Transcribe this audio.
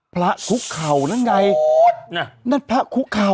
คุกเข่านั่นไงนั่นพระคุกเข่า